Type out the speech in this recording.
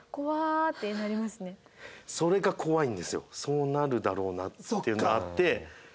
そうなるだろうなっていうのがあって。